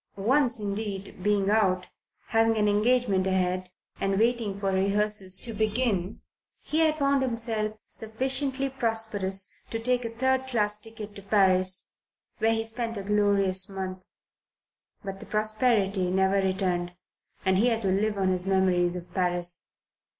Once indeed, being out, but having an engagement ahead, and waiting for rehearsals to begin, he had found himself sufficiently prosperous to take a third class ticket to Paris, where he spent a glorious month. But the prosperity never returned, and he had to live on his memories of Paris.